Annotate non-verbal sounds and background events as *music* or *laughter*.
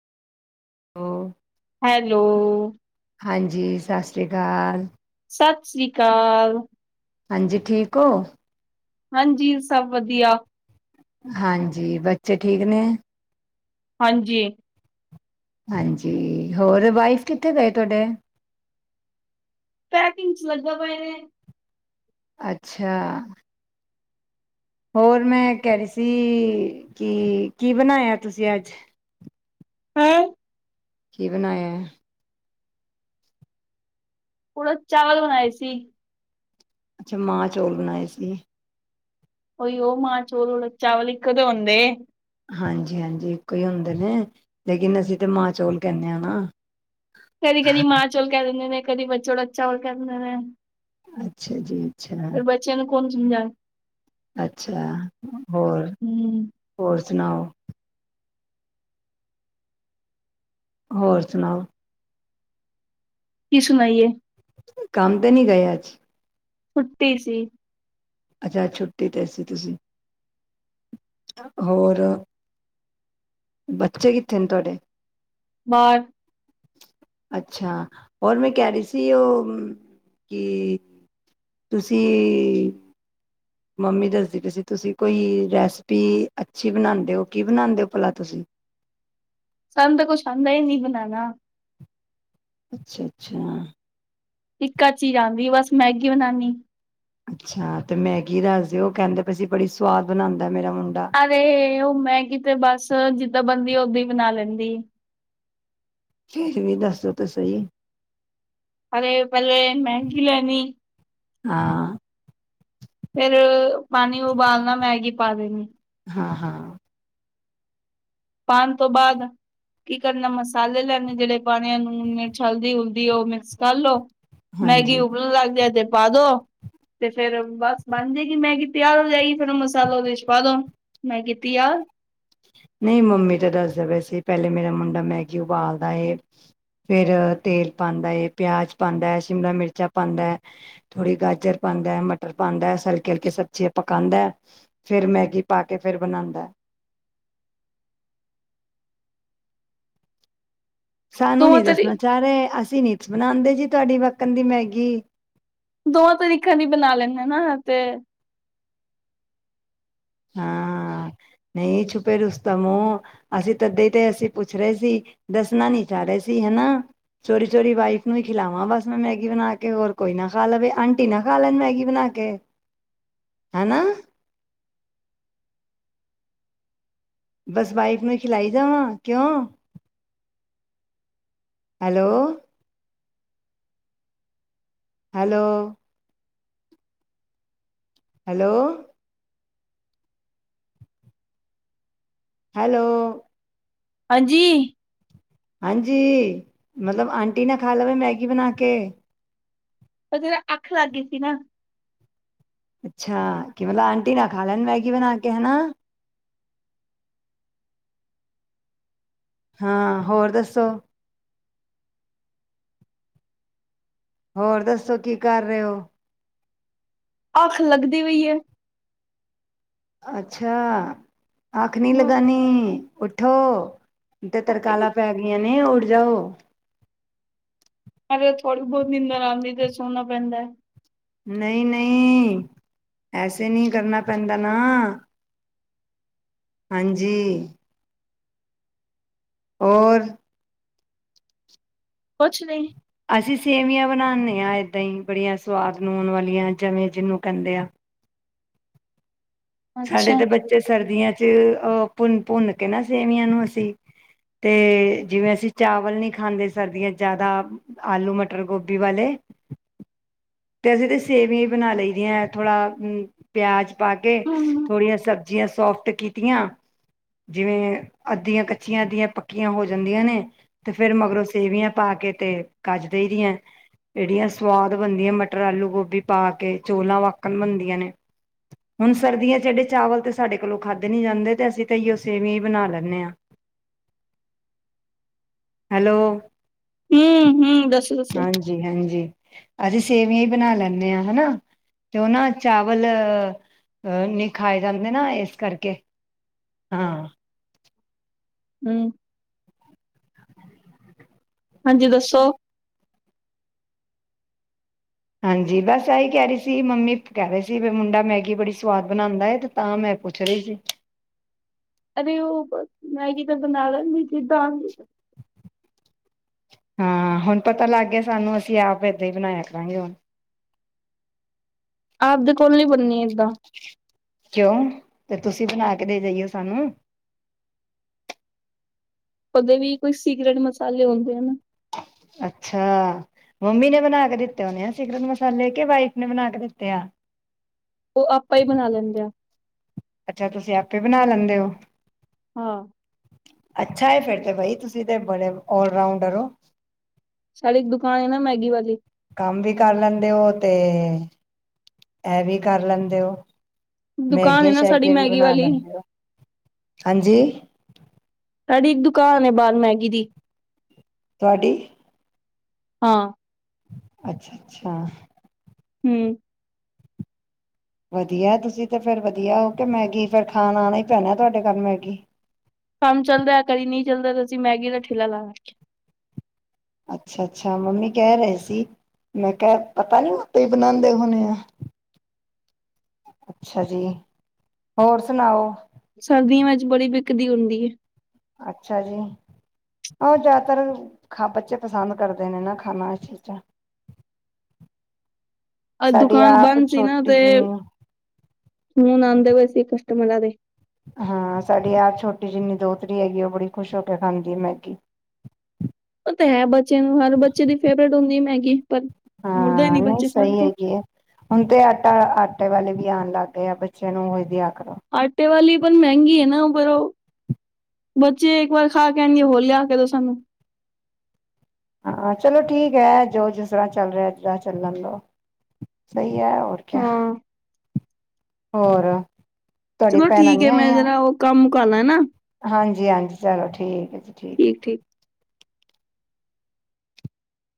ਓ। Hello. ਹਾਂਜੀ, ਸਾਸਰੀਕਾਲ। ਸਤ ਸੀ੍ ਕਾਲ। ਹਾਂਜੀ ਠੀਕ ਓ? ਹਾਂਜੀ, ਸਭ ਵਧੀਆ। ਹਾਂਜੀ ਬੱਚੇ ਠੀਕ ਨੇ? ਹਾਂਜੀ। ਹਾਂਜੀ ਹੋਰ ਵਾਈਫ ਕਿੱਥੇ ਗਏ ਤੋਡੇ? ਪੈਕਿੰਗ ਚ ਲੱਗਦੇ ਪਏ ਨੇ। ਅੱਛਾ। ਹੋਰ ਮੈਂ ਕੈ ਰੀ ਸੀ ਕਿ ਕੀ ਬਣਾਏਆ ਤੁਸੀ ਅੱਜ। ਹੈਂ ਕੀ ਬਨਾਇਐ? ੳਊੜਦ ਚਾਵਲ ਬਣਾਏ ਸੀ। ਅੱਛਾ, ਮਾਂ ਚੌਲ ਬਣਾਏ ਸੀ। ਓਈਓ ਮਾਂ ਚੋਲ ਉੜਦ ਚਾਵਲ ਇਕੋ ਤੇ ਹੁਂਦੇ। ਹਾਂਜੀ ਹਾਂਜੀ। ਇੱਕੋ ਇ ਹੁੰਦੇ ਨੇ ਲੇਕਿਨ ਅਸੀ ਤੇ ਮਾਂ ਚੋਲ ਕੇਂਨੇ ਆ ਨਾ। ਕਦੀ ਕਦੀ ਮਾਂ ਚੋਲ ਕੈ ਦੇਂਦੇ ਨੇ ਕਦੀ ਬੱਚ ਉੜਦ ਚਾਵਲ ਕੈ ਦੇਂਦੇ ਨੇ। ਅੱਛਾ ਜੀ। ਅੱਛਾ। ਚਲੋ, ਕੋਨ ਸਮਝਾਏ? ਅੱਛਾ ਹੋਰ, ਹੂੰ ਹੋਰ ਸਨਾਓ। ਹੋਰ ਸੁਨਾਓ? ਕੀ ਸੁਨਾਈਏ? ਕੰਮ ਤੇ ਨਈ ਗਏ ਅੱਜ। ਛੁੱਟੀ ਸੀ। ਅੱਛਾ, ਅੱਜ ਛੁੱਟੀ ਤੇ ਸੀ ਤੁਸੀ। ਹੋਰ, ਬੱਚੇ ਕਿੱਥੇ ਨੇ ਤੁਆਡੇ? ਬਾਰ। ਅੱਛਾ। ਹੋਰ ਮੈਂ ਕੈ ਰੀ ਸੀ ਓ ਕਿ ਤੁਸੀ ਮਾਮੀ ਦੱਸਦੀ ਪਈ ਸੀ, ਤੁਸੀ ਕੋਈ ਰੈਸਪੀ ਅੱਛੀ ਬਨਾਂਦੇ ਓ। ਕੀ ਬਨਾਂਦੇ ਓ ਭਲਾ ਤੁਸੀ? ਸਾਨ ਤਾਂ ਕੁਛ ਆਂਦਾ ਈ ਨਈ ਬਨਾਨਾ। ਅੱਛਾ ਅੱਛਾ। ਇੱਕ ਅਧ ਚੀਜ ਆਂਦੀ ਏ ਬਸ ਮੈਗੀ ਬਨਾਨੀ। ਅੱਛਾ। ਤੇ ਮੈਗੀ ਦੱਸ ਦੇਓ ਕੈਂਦੇ ਪਏ ਸੀ ਬੜੀ ਸਵਾਦ ਬਨਾਂਦਾ ਮੇਰਾ ਮੁੰਡਾ। ਅਰੇ, ਓ ਮੈਂਗੀ ਤੇ ਬਸ ਜਿੱਦਾਂ ਬਨਦੀ ਓਦਾਂ ਈ ਬਨਾ ਲੈਂਦੀ। ਫੇਰ ਵੀ ਦੱਸੋ ਤੇ ਸਈ। ਅਰੇ ਪੈਲੇ ਮੈਗੀ ਲੈਨੀ। ਹਾਂ। ਫੇਰ ਪਾਨੀ ਉਬਾਲਨਾ ਮੈਗੀ ਪਾ ਦੇਨੀ।। ਹਾਂ ਹਾਂ। ਪਾਨ ਤੋਂ ਬਾਦ। ਕੀ ਕਰਨਾ ਮਸਾਲੇ ਲੈਣੇ ਜੇੜੇ ਪਾਣੇ ਨੂਨ, ਮਿਰਚ, ਹਲਦੀ-ਹੁਲਦੀ ਓ ਮਿਕਸ ਕਰ ਲੋ। ਮੈਗੀ ਹਾਂਜੀ ਉਬਲਣ ਲੱਗ ਜਾਏ ਤੇ ਪਾ ਦੋ। ਤੇ ਫੇਰ ਬਸ ਬਨ ਜਏਗੀ ਮੈਗੀ ਤੇਆਰ ਹੋ ਜਾਏਗੀ, ਫੇਰ ਓ ਮਸਾਲਾ ਓਦੇ ਚ ਪਾ ਦੋ। ਮੈਗੀ ਤਿਆਰ। ਨਈ ਮੰਮੀ ਤੇ ਦੱਸਦੇ ਪੇ ਸੀ ਪੈਲੇ ਮੇਰਾ ਮੁੰਡਾ ਮੈਗੀ ਉਬਾਲਦਾ ਏ। ਫੇਰ ਤੇਲ ਪਾਂਦਾ ਏ, ਪਿਆਜ਼ ਪਾਂਦਾ ਐ, ਸ਼ਿਮਲਾ ਮਿਰਚਾਂ ਪਾਂਦਾ ਐ। ਥੋੜੀ ਗਾਜ਼ਰ ਪਾਂਦੈ, ਮਟਰ ਪਾਂਦੈ, ਹਲਕੇ ਹਲਕੇ ਸਬਜੀਆਂ ਪਕਾਂਦਾ ਐ। ਫੇਰ ਮੈਗੀ ਪਾ ਕੇ ਫੇਰ ਬਨਾਂਦਾ ਐ। ਸਾਨੂੰ ਦੋਵਾਂ ਨੀ ਤਰੀ ਦੱਸਣਾ ਚਾ ਰੇ। ਅਸੀ ਨੀ ਬਨਾਂਦੇ ਜੀ ਤੁਆਡੀ ਵਕਨ ਦੀ ਮੈਂਗੀ। ਦੋ ਤਰੀਕੇ ਦੀ ਬਨਾ ਲੈਨਾ ਨਾ ਤੇ। ਹਾਂ। ਨਈ ਛੁਪੇ ਰੁਸਤਮ ਓ। ਅਸੀ ਤਦੀ ਤੇ ਅਸੀ ਪੁੱਛ ਰੇਸੀ। ਦੱਸਨਾ ਨੀ ਚਾਰੇ ਸੀ ਹੈਨਾ। ਚੋਰੀ ਚੋਰੀ ਵਾਈਫ ਨੂੰ ਈ ਖਿਲਾਵਾਂ ਬਸ ਮੈਂ ਮੈਗੀ ਬਨਾ ਕੇ। ਹੋਰ ਕੋਈ ਨਾ ਖਾ ਲਵੇ, ਆਂਟੀ ਨਾ ਖਾ ਲੈਨ ਮੈਗੀ ਬਨਾ ਕੇ। ਹੈਨਾ। ਬਸ ਵਾਈਫ਼ ਨੂੰ ਈ ਖਿਲਾਈ ਜਾਵਾਂ ਕਿਓਂ। ਹੈਲੋ! ਹੈਲੋ! ਹੈਲੋ! ਹੈਲੋ! ਹਾਂਜੀ! ਹਾਂਜੀ! ਮਤਲਬ ਆਂਟੀ ਨਾ ਖਾ ਲਵੇ ਮੈਂਗੀ ਬਣਾ ਕੇ। ਉਹ ਜ਼ਰਾ ਅੱਖ ਲੱਗ ਗਈ ਸੀ ਨਾ। ਅੱਛਾ! ਕਿ ਮਤਲਬ ਆਂਟੀ ਨਾ ਖਾ ਲੈਣ ਮੈਂਗੀ ਬਣਾ ਕੇ ਹਨਾ। ਹਾਂ! ਹੋਰ ਦੱਸੋ? ਹੋਰ ਦੱਸੋ ਕੀ ਕਰ ਰਹੇ ਹੋ? ਅਖ ਲੱਗਦੀ ਹੋਈ ਏ। ਅੱਛਾ ਅੱਖ ਨਹੀਂ ਲਗਾਨੀ ਉੱਠੋ। ਤੇ ਤਰਕਾਲਾਂ ਪੈ ਗਈਆਂ ਨੇ ਉਠ ਜਾਓ। ਪਰ ਥੋੜ੍ਹੀ ਬਹੁਤ ਨਿੰਦਰ ਆਉਂਦੀ ਤੇ ਸੋਹਣਾ ਪੈਂਦਾ। ਨਹੀਂ, ਨਹੀਂ ਐਸੇ ਨਹੀਂ ਕਰਨਾ ਪੈਂਦਾ ਨਾ। ਹਾਂਜੀ। ਹੋਰ। ਕੁਛ ਨਹੀਂ। ਅਸੀਂ ਸੇਵੀਆਂ ਬਣਾਉਂਦੇ ਹਾਂ ਇੱਦਾਂ ਹੀ ਬੜੀਆਂ ਸਵਾਦ ਨੂਣ ਵਾਲੀਆਂ ਜਵੇਂ ਜਿਹਨੂੰ ਕਹਿੰਦੇ ਆ। ਸਾਡੇ ਅੱਛਾ ਤਾਂ ਬੱਚੇ ਸਰਦੀਆਂ ਚ ਅਹ ਭੁੰਨ, ਭੁੰਨ ਕੇ ਨਾ ਸੇਵੀਆਂ ਨੂੰ ਅਸੀਂ ਤੇ ਜਿਵੇਂ ਅਸੀਂ ਚਾਵਲ ਨੀ ਖਾਂਦੇ ਸਰਦੀਆਂ ਜ਼ਿਆਦਾ ਆਲੂ ਮਟਰ ਗੋਭੀ ਵਾਲੇ ਤੇ ਅਸੀਂ ਤਾਂ ਸੇਵਿਆ ਹੀ ਬਣਾ ਲਈ ਦੀਆਂ ਥੋੜ੍ਹਾ ਪਿਆਜ ਪਾ ਕੇ ਹੂੰ ਹੂੰ ਥੋੜ੍ਹੀਆਂ ਸਬਜ਼ੀਆਂ ਸੋਫਟ ਕੀਤੀਆਂ ਜਿਵੇਂ ਅੱਧੀਆਂ ਕੱਚੀਆਂ ਅੱਧੀਆਂ ਪੱਕੀਆਂ ਹੋ ਜਾਂਦੀਆਂ ਨੇ ਤੇ ਫੇਰ ਮਗਰੋਂ ਸੇਵੀਆਂ ਪਾ ਕੇ ਤੇ ਕੱਜ ਦੇ ਹੀ ਦੀਆਂ ਇਹੜੀਆਂ ਸਵਾਦ ਬਣਦੀਆਂ ਮਟਰ ਆਲੂ ਗੋਭੀ ਪਾ ਕੇ ਚੋਲਾਂ ਵਕਣ ਬਣਦੀਆਂ ਨੇ ਹੁਣ ਸਰਦੀਆਂ ਜਿਹਡੇ ਚਾਵਲ ਤੇ ਸਾਡੇ ਕੋਲੋਂ ਖਾਧੇ ਨੀ ਜਾਂਦੇ ਤੇ ਅਸੀਂ ਤਾਂ ਇਓ ਸੇਵਿਆ ਹੀ ਬਣਾ ਲੈਂਦੇ ਹਾਂ। *unintelligible* ਹੈਲੋ। ਹੂ, ਹੂ। ਹਾਂਜੀ, ਹਾਂਜੀ ਅਸੀਂ ਸੇਵੀਆਂ ਹੀ ਬਣਾ ਲੈਂਦੇ ਹਾਂ ਹਨਾ। ਤੇ ਉਹ ਨਾ ਚਾਵਲ ਨੀ ਖਾਏ ਜਾਂਦੇ ਨਾ ਇਸ ਕਰਕੇ ਹਾਂ। ਹੂ। ਹਾਂਜੀ ਦੱਸੋ। ਹਾਂਜੀ ਬਸ ਆਹੀ ਕਹਿ ਰਹੀ ਸੀ ਮੰਮੀ ਕਹਿ ਰਹੀ ਸੀ ਵੀ ਮੁੰਡਾ ਮੈਗੀ ਬੜੀ ਸਵਾਦ ਬਣਾਉਂਦਾ ਤਾਂ ਮੈਂ ਪੁੱਛ ਰਹੀ ਸੀ। ਅਰੇ ਉਹ ਮੈਗੀ ਤਾਂ ਬਣਾ ਲੈਦੀ ਜਿੱਦਾਂ ਹਾਂ ਹੁਣ ਪਤਾ ਲੱਗ ਗਿਆ ਸਾਨੂੰ ਅਸੀਂ ਆਪ ਏਦਾਂ ਹੀ ਬਣਾਇਆ ਕਰਾਂਗੇ ਹੁਣ। ਆਪਦੇ ਕੋਲ ਨੀ ਬੰਨੀ ਇਦਾਂ। ਕਿਉਂ ਤੇ ਤੁਸੀਂ ਬਣਾ ਕੇ ਦੇ ਜਾਈਓ ਸਾਨੂੰ। ਕਦੇ ਵੀ ਕੋਈ ਸੀਕਰਟ ਮਸਾਲੇ ਹੁੰਦੇ ਹਨ ਨਾ। ਅੱਛਾ। ਮੰਮੀ ਨੇ ਬਣਾ ਕੇ ਦਿੱਤੇ ਉਹਨੇ ਆ ਸਿਕਰਟ ਮਸਾਲੇ ਕੇ ਵਾਈਫ ਨੇ ਬਣਾ ਕੇ ਦਿੱਤੇ ਆ। ਓ ਆਪਾਂ ਈ ਬਣਾ ਲੈਂਦੇ ਆ। ਅੱਛਾ, ਤੁਸੀਂ ਆਪੇ ਬਣਾ ਲੈਂਦੇ ਓ? ਹਾਂ। ਅੱਛਾ ਏ, ਫੇਰ ਤੇ ਬਾਈ ਤੁਸੀ ਤੇ ਬੜੇ ਆਲਰਾਊਂਡਰ ਓ। ਸਾਡੇ ਇੱਕ ਦੁਕਾਨ ਐ ਨਾ ਮੈਗੀ ਵਾਲੀ ਕੰਮ ਵੀ ਕਰ ਲੈਂਦੇ ਓ, ਤੇ ਐ ਵੀ ਕਰ ਲੈਂਦੇ ਓ। ਦੁਕਾਨ ਹੈ ਮੈਗੀਆਂ- ਨਾ ਸਾਡੀ ਸ਼ੈਗੀਆਂ ਵੀ ਮੈਗੀ ਬਨਾ ਵਾਲੀ ਲੈਂਦੇ ਓ, ਹਾਂਜੀ ਸਾਡੀ, ਦੁਕਾਨ ਐ ਬਾਰ ਮੈਗੀ ਦੀ। ਤੁਆਡੀ? ਹਾਂ। ਅੱਛਾ -ਅੱਛਾ। ਹਮ ਵਧੀਆ ਤੁਸੀ ਤਾਂ, ਫੇਰ ਵਧੀਆ ਓ, ਤੇ ਮੈਗੀ ਫੇਰ ਖਾਣ ਆਣਾ ਈ ਪੈਣਾ ਤੁਹਾਡੇ ਘਰ ਮੈਗੀ। ਕੰਮ ਚੱਲਦਾ, ਕਦੀ ਨਈਂ ਚੱਲਦਾ ਤੇ ਅਸੀ ਮੈਗੀ ਦਾ ਠੇਲਾ ਲਾ *unintelligible* ਅੱਛਾ -ਅੱਛਾ ਮੰਮੀ ਕੇਹ ਰਏ ਸੀ। ਮੈਂ ਕੇਆ, ਪਤਾ ਨੀ ਉਤੇ, ਬਨਾਂਦੇ ਹੋਨੇ ਐ। *inaudible* ਅੱਛਾ ਜੀ, ਹੋਰ ਸੁਨਾਓ? ਸਰਦੀਆਂ, ਵਿੱਚ ਬੜੀ ਵਿਕਦੀ ਹੁੰਦੀ ਐ। ਅੱਛਾ, ਜੀ। ਓ, ਜੈਆਦਾਤਰ ਖਾ ਬੱਚੇ ਪਸੰਦ ਕਰਦੇ ਨੇ ਨਾ ਖਾਨਾ *unintelligible* ਅੱਜ ਸਾਡੀ, ਦੁਕਾਨ ਆਪ ਬੰਦ ਛੋਟੀ ਜਈ। ਫੋਨ ਆਂਦੇ ਵਏ ਸੀ, ਕਸਟਮਰਾਂ ਦੇ। ਹਾਂ, ਸਾਡੀ ਆਪ ਛੋਟੀ ਜਿੰਨੀ ਦੋਤਰੀ ਹੈਗੀ, ਓ ਬੜੀ ਖੁਸ਼ ਹੋ ਕੇ ਖਾਂਦੀ ਐ ਮੈਗੀ। ਓ ਤਾਂ ਹੈ, ਬੱਚੇ ਨੂੰ ਹਰ ਬੱਚੇ ਦੀ ਫੇਵਰਟ ਹੁੰਦੀ। ਮੈਗੀ ਪਰ ਮੁੜਦਾ ਈ ਨੀ, ਬੱਚੇ ਖਾਣ ਤੋਂ ਹੁਨ ਤੇ ਆਟਾ, ਆਟੇ ਵਾਲੇ ਵੀ ਆਣ ਲੱਗ ਗਏ ਆ। ਬੱਚੇਆਂ ਨੂੰ, ਓਹੀ ਦੇਆ ਕਰੋ। ਆਟੇ ਵਾਲੀ ਪਰ ਮੇਂਹਗੀ ਐ ਨਾ, ਬੱਚੇ, ਇੱਕ ਵਾਰ ਖਾ ਕੇ, ਕੇਹਨਗੇ ਹੋਰ ਲੇਆ ਕੇ ਦੋ, ਸਾਨੂੰ। ਹਾਂ, ਚਲੋ ਠੀਕ ਐ, ਜੋ ਜਿਸ ਤਰਾਂ ਚੱਲ ਰੇਆ, ਓਸ ਤਰਾਂ ਚੱਲਨ ਦੋ। ਸਈ ਐ ਹੋਰ ਕਿਆ, ਹਾਂ ਹੋਰ ਤੁਹਾਡੀ ਚਲੋ ਭੈਣਾਂ ਠੀਕ ਨੀ ਐ, ਮੈਂ ਆਈਆਂ ਜਰਾ ਓ ਕੰਮ ਕਰ ਲਾਂ ਨਾ। ਹਾਂਜੀ -ਹਾਂਜੀ ਚਲੋ, ਠੀਕ ਐ ਜੀ, ਠੀਕ ਐ। ਠੀਕ, ਠੀ